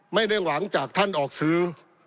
ไม่เห็นหวังจากท่านออกสือ